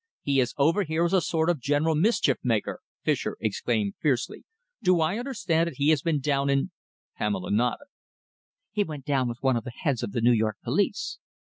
"He is over here as a sort of general mischief maker!" Fischer exclaimed fiercely. "Do I understand that he has been down in ?" Pamela nodded. "He went down with one of the heads of the New York police."